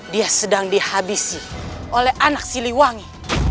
dia sedang dihabisi oleh anak siliwangi